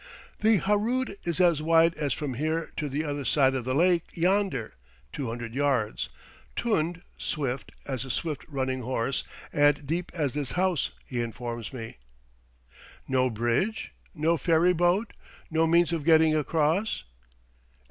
"The Harood is as wide as from here to the other side of the lake yonder (200 yards); tund (swift) as a swift running horse and deep as this house," he informs me. "No bridge? no ferry boat? no means of getting across?"